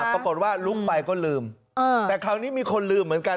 ปรากฏว่าลุกไปก็ลืมแต่คราวนี้มีคนลืมเหมือนกัน